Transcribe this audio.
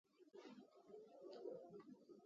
له نغري او تناره یې تپونو او لوګیو ولږې ته لاره کوله.